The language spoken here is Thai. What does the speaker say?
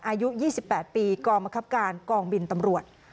อายุ๒๘ปีกองบังคับการกองบินตำรวจ